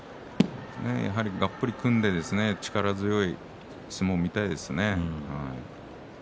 やっぱり、がっぷり組んで力強い相撲を見たいですよね。